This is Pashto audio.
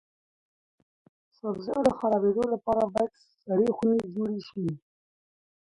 سبزیو د خرابیدو لپاره باید سړې خونې جوړې شي.